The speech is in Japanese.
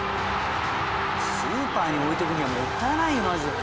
スーパーに置いとくにはもったいないよ。